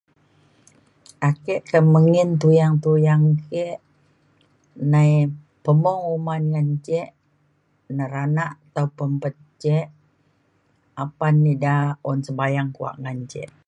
ake ke menggin tuyang tuyang ke nai pemung uman ngan ce neranak tau pempet ce apan ida un sebayang kuak ngan ce